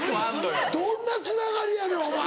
どんなつながりやねんお前！